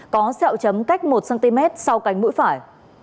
có xeo chấm cách một cm sau cánh mũi phải